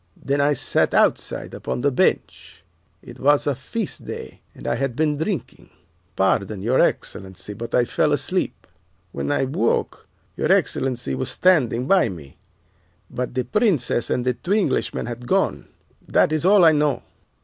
Then I sat outside upon the bench. It was a feast day, and I had been drinking. Pardon, Excellency, but I fell asleep. When I woke, your Excellency was standing by me, but the Princess and the two Englishmen had gone. That is all I know.